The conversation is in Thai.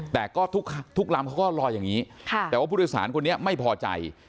แต่ก็ทุกลำเขาก็ลอยอย่างนี้แต่ว่าผู้โดยสารคนนี้ไม่พอใจ